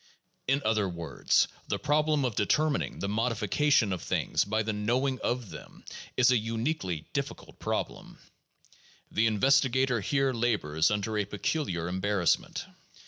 In other words, the problem of deter mining the modification of things by the knowing of them is a uniquely difficult problem. The investigator here labors under a peculiar embarrassment.